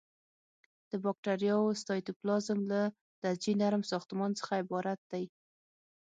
د باکتریاوو سایتوپلازم له لزجي نرم ساختمان څخه عبارت دی.